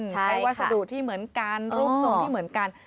วัสดุที่เหมือนกันรูปทรงที่เหมือนกัน